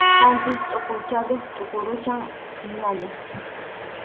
Qanchis tʼuquchayuq tuqurucham qinaqa.